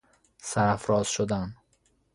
سرافراز شدن